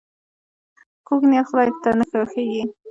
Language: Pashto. کوږ نیت خداي ته نه خوښیږي